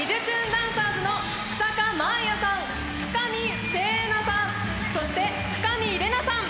ダンサーズの日下麻彩さん深見星奈さんそして深見玲奈さん。